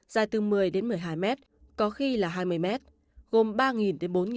dài từ một mươi một mươi hai mét có khi là hai mươi mét gồm ba bốn đốt